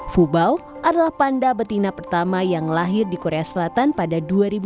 fubau adalah panda betina pertama yang lahir di korea selatan pada dua ribu dua